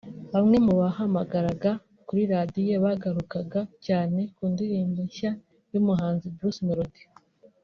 Bamwe mu bahamagaraga kuri Radiyo bagarukaga cyane ku ndirimbo nshya y'umuhanzi Bruce Melody